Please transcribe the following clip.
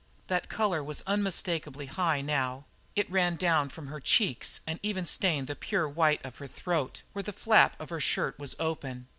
That colour was unmistakably high now; it ran down from her cheeks and even stained the pure white of the throat where the flap of the shirt was open.